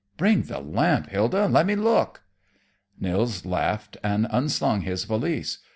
"Bring the lamp, Hilda, and let me look." Nils laughed and unslung his valise.